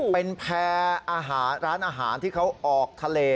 เป็นแพร่อาหารร้านอาหารที่เขาออกทะเล